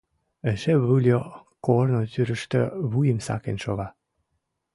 Эше вӱльӧ корно тӱрыштӧ вуйым сакен шога...